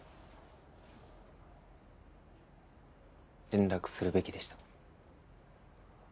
連絡するべきでした。